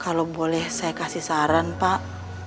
kalau boleh saya kasih saran pak